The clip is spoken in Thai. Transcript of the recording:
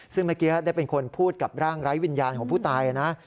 ซึ่งเมื่อกี้ได้เป็นคนพูดกับร่างไร้วิญญาณของผู้ตายนะ